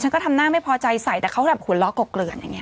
ฉันก็ทำหน้าไม่พอใจใส่แต่เขาก็แบบขวนลอกเกริ่นอย่างนี้